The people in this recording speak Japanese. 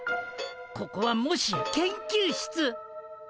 ここはもしや研究室。